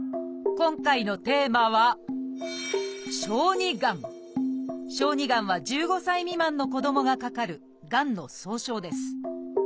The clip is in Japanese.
今回のテーマは「小児がん」は１５歳未満の子どもがかかるがんの総称です。